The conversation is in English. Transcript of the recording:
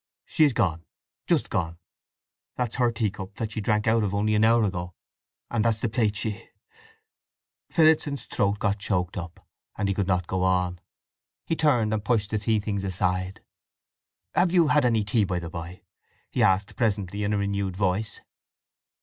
She is gone—just gone. That's her tea cup, that she drank out of only an hour ago. And that's the plate she—" Phillotson's throat got choked up, and he could not go on. He turned and pushed the tea things aside. "Have you had any tea, by the by?" he asked presently in a renewed voice.